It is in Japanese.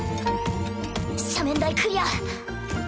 斜面台クリア。